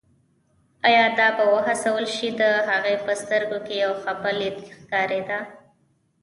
ایا دا به وهڅول شي، د هغې په سترګو کې یو خپه لید ښکارېده.